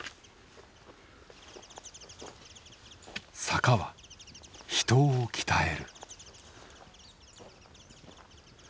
坂は人を鍛える。